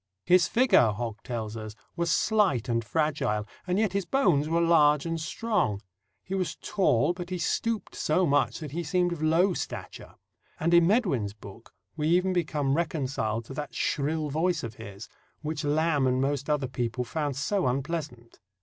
"His figure," Hogg tells us, "was slight and fragile, and yet his bones were large and strong. He was tall, but he stooped so much that he seemed of low stature." And, in Medwin's book, we even become reconciled to that shrill voice of his, which Lamb and most other people found so unpleasant.